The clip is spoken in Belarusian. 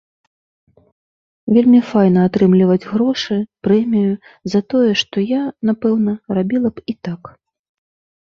Вельмі файна атрымліваць грошы, прэмію за тое, што я, напэўна, рабіла б і так.